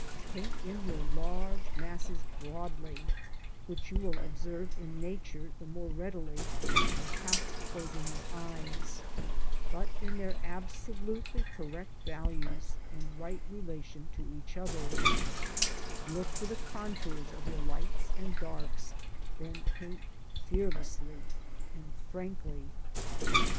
Paint in your large masses broadly — ^which you will observe in Nature the more readily by half closing your eyes — but in their absolutely correct values and right relation to each other ; look for the contours of your lights and darks, then paint fearlessly and frankly.